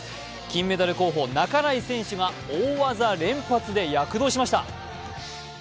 金メダル候補、半井選手は大技連発で躍動しました。